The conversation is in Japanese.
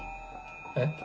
えっ？